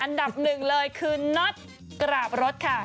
อันดับหนึ่งเลยคือน็อตกราบรถค่ะ